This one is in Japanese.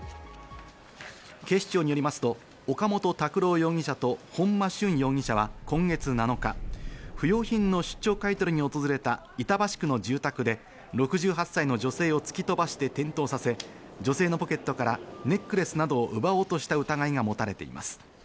警視庁によりますと、岡本拓朗容疑者と本間駿容疑者は今月７日、不用品の出張買取に訪れた板橋区の住宅で６８歳の女性を突き飛ばして転倒させ、女性のポケットからネックレスなどを奪おうとした疑いがもたれています。